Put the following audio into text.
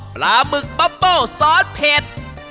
๒ปลาหมึกบับเบิ้ลซอสเผ็ด